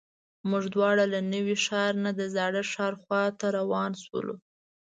موږ دواړه له نوي ښار نه د زاړه ښار خواته روان شولو.